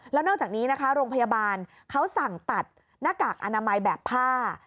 แล้วนอกจากนี้นะคะโรงพยาบาลเขาสั่งตัดหน้ากากอนามัยแบบผ้า